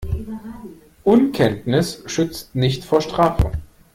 Unkenntnis schützt nicht vor Strafe.